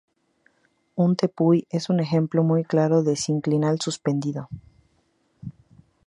Un tepuy es un ejemplo muy claro de sinclinal suspendido.